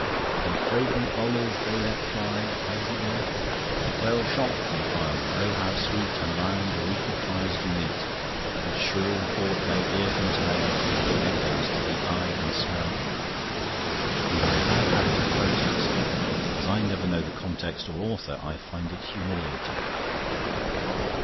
"'In fragrant volleys they let fly...' How does it go?" "'Well shot, ye firemen! Oh how sweet And round your equal fires do meet; Whose shrill report no ear can tell, But echoes to the eye and smell...'" "You have a bad habit of quoting," said Anne. "As I never know the context or author, I find it humiliating."